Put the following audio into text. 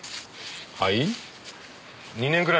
はい？